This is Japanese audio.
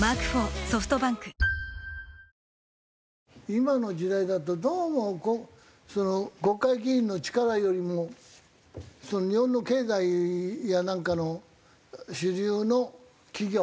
今の時代だとどうも国会議員の力よりも日本の経済やなんかの主流の企業